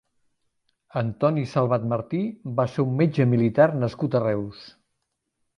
Antoni Salvat Martí va ser un metge militar nascut a Reus.